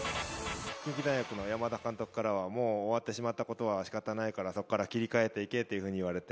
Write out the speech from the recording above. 近畿大学の山田監督からは、もう終わってしまったことはしかたないからそこから切り替えていけと言われて。